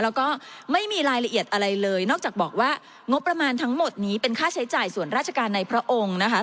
แล้วก็ไม่มีรายละเอียดอะไรเลยนอกจากบอกว่างบประมาณทั้งหมดนี้เป็นค่าใช้จ่ายส่วนราชการในพระองค์นะคะ